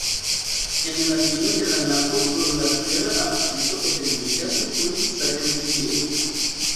En fino de la navo plurlatera absido etendiĝas kun sakristio.